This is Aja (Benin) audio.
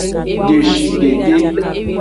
Jeshidede.